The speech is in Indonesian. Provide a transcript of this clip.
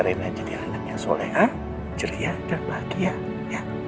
mencari anaknya soleh ceria dan bahagia ya